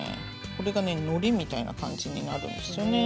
これがねのりみたいな感じになるんですよね。